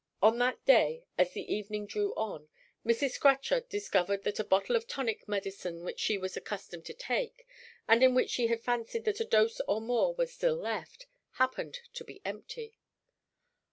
On that day, as the evening drew on, Mrs. Scatchard discovered that a bottle of tonic medicine which she was accustomed to take, and in which she had fancied that a dose or more was still left, happened to be empty.